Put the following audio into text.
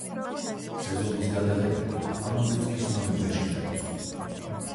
სეზონის გადაღებები ამავე წლის ნოემბერში დაიწყო.